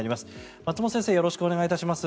松本先生よろしくお願いします。